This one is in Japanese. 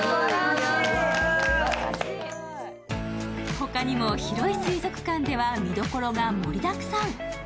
他にも広い水族館では見どころが盛りだくさん。